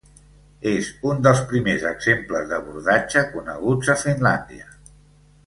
És un dels primers exemples d'abordatge coneguts a Finlàndia.